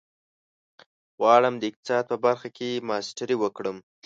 غواړم د اقتصاد په برخه کې ماسټري وکړم.